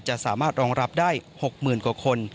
สามารถรองรับได้๖๐๐๐กว่าคน